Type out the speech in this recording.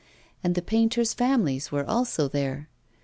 And the painters' families were also there.